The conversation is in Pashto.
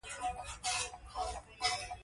کوربه د خدای مینه خپروي.